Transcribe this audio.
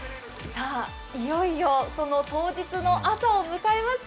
いよいよその当日の朝を迎えました。